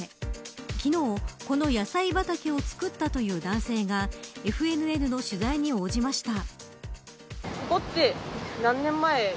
昨日、この野菜畑を作ったという男性がＦＮＮの取材に応じました。